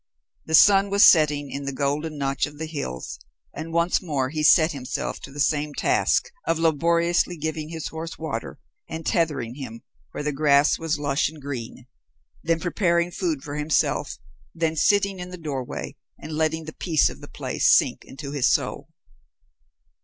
The sun was setting in the golden notch of the hills, and once more he set himself to the same task of laboriously giving his horse water and tethering him where the grass was lush and green, then preparing food for himself, then sitting in the doorway and letting the peace of the place sink into his soul.